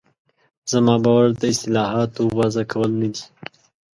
زما باور د اصطلاحاتو وضع کول نه دي.